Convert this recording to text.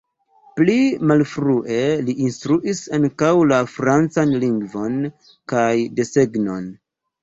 Pli malfrue li instruis ankaŭ la francan lingvon kaj desegnon.